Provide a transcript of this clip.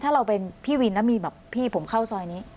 ถ้าเราเป็นพี่วินแล้วมีแบบพี่ผมเข้าซอยนี้